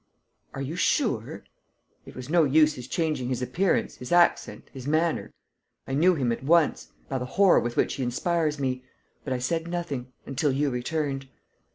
"Are you sure?" "It was no use his changing his appearance, his accent, his manner: I knew him at once, by the horror with which he inspires me. But I said nothing ... until you returned."